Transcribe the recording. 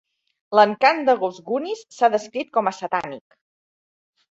L'encant de Gousgounis s'ha descrit com "satànic".